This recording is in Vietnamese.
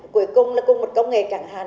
cuối cùng là cùng một công nghệ chẳng hạn